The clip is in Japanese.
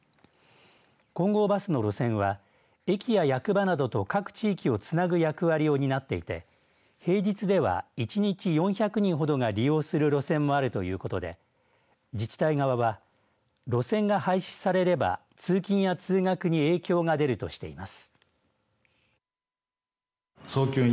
金剛バスの路線は駅や役場などと各地域をつなぐ役割を担っていて平日では一日４００人ほどが利用する路線もあるということで自治体側は路線が廃止されれば通勤や通学に影響が出るとしています。